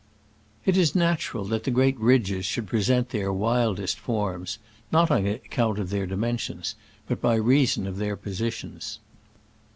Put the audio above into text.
It is natural that the great ridges should present the wildest forms — not on ac count of their dimensions, but by reason of their positions.